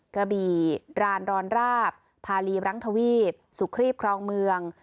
กระบี่รานรอนราบพาลีรังทวีปสุครีบครองเมือง